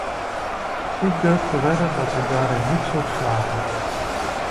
Ik durf te wedden dat u daarin niet zult slagen.